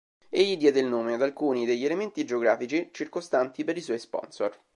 Egli diede il nome ad alcuni degli elementi geografici circostanti per i suoi sponsor.